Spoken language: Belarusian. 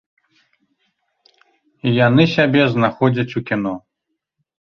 І яны сябе знаходзяць у кіно.